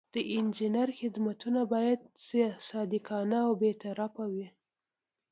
د انجینر خدمتونه باید صادقانه او بې طرفه وي.